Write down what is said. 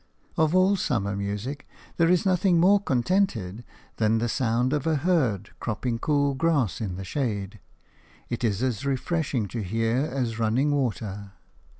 Of all summer music there is nothing more contented than the sound of a herd cropping cool grass in the shade; it is as refreshing to hear as running water.